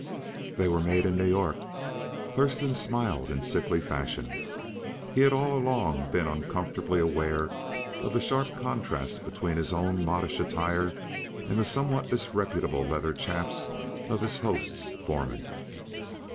"They were made in New York." Thurston smiled in sickly fashion. He had all along been uncomfortably aware of the sharp contrast between his own modish attire and the somewhat disreputable leathern chaps of his host's foreman.